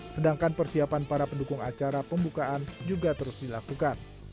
sedangkan persiapan para pendukung acara pembukaan juga terus dilakukan